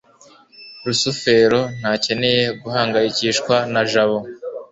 rusufero ntakeneye guhangayikishwa na jabo